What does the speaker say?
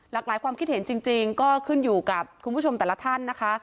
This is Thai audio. หลากหลายความคิดเห็นจริงก็ขึ้นอยู่กับคุณผู้ชมแต่ละท่านนะคะ